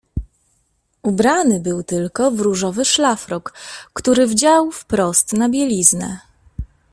"Ubrany był tylko w różowy szlafrok, który wdział wprost na bieliznę."